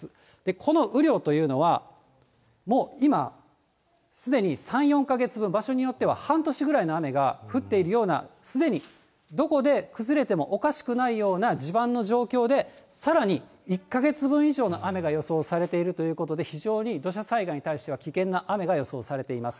この雨量というのは、もう今すでに３、４か月分、場所によっては半年ぐらいの雨が降っているような、すでにどこで崩れてもおかしくないような地盤の状況で、さらに１か月分以上の雨が予想されているということで、非常に土砂災害に対しては危険な雨が予想されています。